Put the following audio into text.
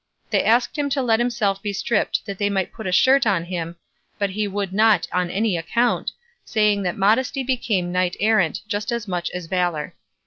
They asked him to let himself be stripped that they might put a shirt on him, but he would not on any account, saying that modesty became knights errant just as much as valour.